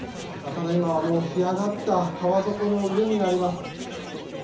ただ、今はもう干上がった川底の上にあります。